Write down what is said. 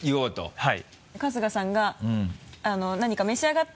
はい。